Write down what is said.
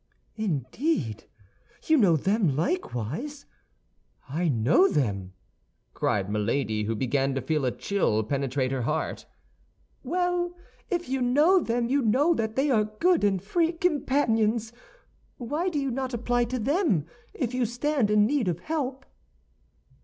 "Indeed! you know them likewise? I know them," cried Milady, who began to feel a chill penetrate her heart. "Well, if you know them, you know that they are good and free companions. Why do you not apply to them, if you stand in need of help?"